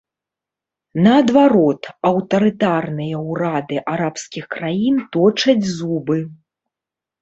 Наадварот, аўтарытарныя ўрады арабскіх краін точаць зубы.